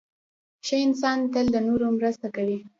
• ښه انسان تل د نورو مرسته کوي.